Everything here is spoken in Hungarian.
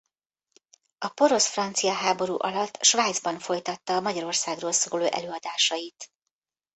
A porosz–francia háború alatt Svájcban folytatta a Magyarországról szóló előadásait.